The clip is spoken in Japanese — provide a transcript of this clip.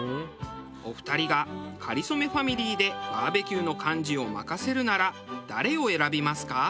お二人が『かりそめ』ファミリーでバーベキューの幹事を任せるなら誰を選びますか？